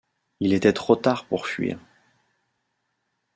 Il était trop tard pour fuir.